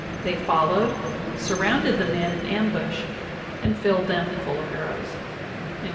They followed, surrounded the men in ambush and filled them full of arrows."